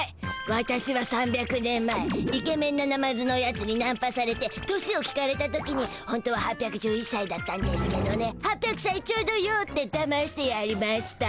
ワタシは３００年前イケメンなナマズのやつにナンパされて年を聞かれた時にほんとは８１１さいだったんでしゅけどね「８００さいちょうどよ」ってだましてやりました。